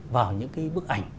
vào những cái bức ảnh